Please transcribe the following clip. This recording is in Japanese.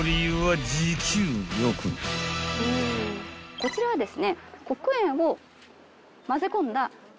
こちらはですね。